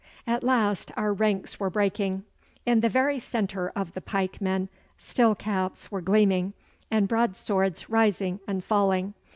At last our ranks were breaking. In the very centre of the pikemen steel caps were gleaming, and broadswords rising and falling.